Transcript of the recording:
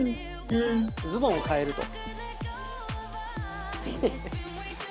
ズボンを替えると。